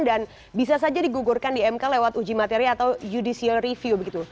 dan bisa saja digugurkan di mk lewat uji materi atau judicial review begitu